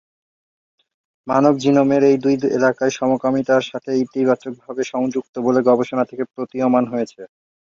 মানব জিনোমের এই দুই এলাকাই সমকামিতার সাথে ইতিবাচকভাবে সংযুক্ত বলে গবেষণা থেকে প্রতীয়মান হয়েছে।